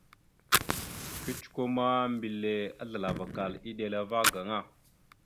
Kecəkwe ma, mbelle azləlavakal eɗela va gaŋa.